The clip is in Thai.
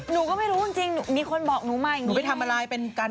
หนูก็ไม่รู้จริงอย่างงี้หนูไปทำอะไรเป็นกัน